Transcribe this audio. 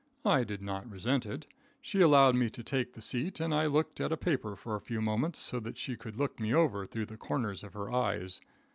I did not resent it. She allowed me to take the seat, and I looked at a paper for a few moments so that she could look me over through the corners of her eyes.